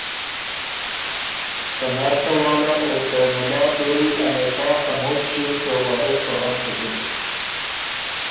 ته نر ته واله او ته مُلا پېری ا نکاح ڒموت ݭیوک ته وارث په غم سُکِن